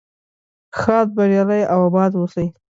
ښاد بریالي او اباد اوسئ.